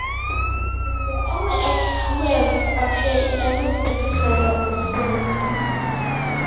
He is the only actor who has appeared in every episode of the series.